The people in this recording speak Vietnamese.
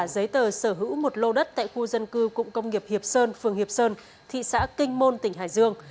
giấy tờ sở hữu một lô đất tại khu dân cư cụng công nghiệp hiệp sơn phường hiệp sơn thị xã kinh môn tỉnh hải dương